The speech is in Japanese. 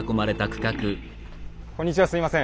こんにちはすいません。